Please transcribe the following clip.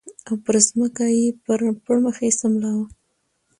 او پر ځمکه یې پړ مخې سملاوه